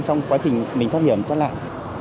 trong quá trình mình thoát hiểm thoát nạn